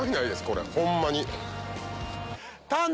これホンマに。